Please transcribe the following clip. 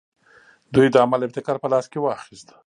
دوی د عمل ابتکار په لاس کې واخیست.